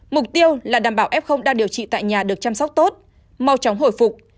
mục tiêu là đảm bảo f đang điều trị tại nhà được chăm sóc tốt mau chóng hồi phục